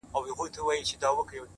ستـا له خندا سره خبري كـوم؛